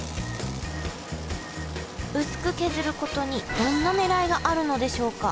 薄く削ることにどんなねらいがあるのでしょうか？